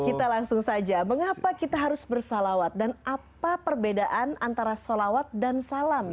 kita langsung saja mengapa kita harus bersalawat dan apa perbedaan antara salawat dan salam